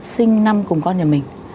sinh năm cùng con nhà mình